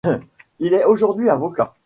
Il est aujourd'hui avocat.